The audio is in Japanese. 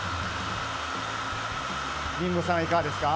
リンゴさん、いかがですか？